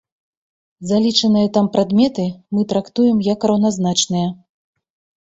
Залічаныя там прадметы мы трактуем як раўназначныя.